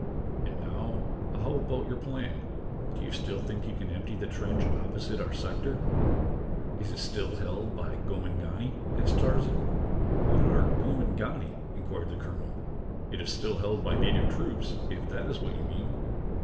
And now how about your plan? Do you still think you can empty the trench opposite our sector?" "Is it still held by Gomangani?" asked Tarzan. "What are Gomangani?" inquired the colonel. "It is still held by native troops, if that is what you mean."